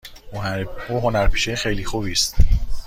او هنرپیشه خیلی خوبی است.